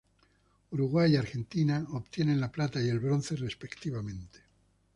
Uruguay y Argentina obtienen la plata y bronce respectivamente.